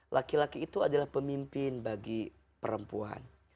laki laki itu adalah pemimpin bagi perempuan